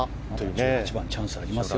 １８番チャンスありますよ